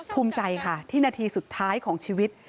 ภูมิใจค่ะที่นาทีสุดท้ายของชีวิต